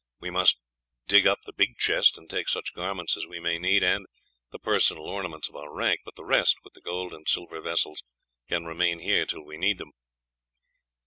We must dig up the big chest and take such garments as we may need, and the personal ornaments of our rank; but the rest, with the gold and silver vessels, can remain here till we need them."